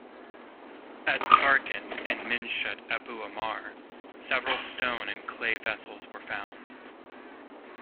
At Tarkhan and Minshat Abu Omar, several stone- and clay vessels were found.